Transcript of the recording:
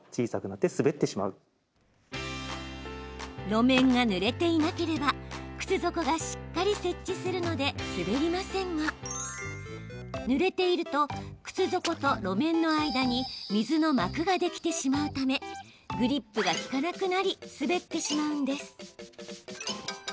路面がぬれていなければ靴底がしっかり接地するので滑りませんがぬれていると、靴底と路面の間に水の膜ができてしまうためグリップが効かなくなり滑ってしまうんです。